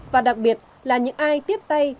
và đặc biệt là những ai tiếp tục